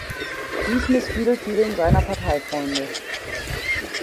Dies missfiel vielen seiner Parteifreunde.